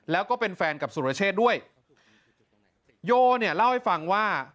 แล้วก็เป็นแฟนกับสุรเชษด้วยโยเนี่ยเล่าให้ฟังว่า